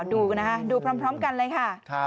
ดูพร้อมกันเลยค่ะ